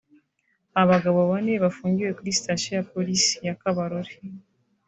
Abagabo bane bafungiwe kuri Sitasiyo ya Polisi ya Kabarore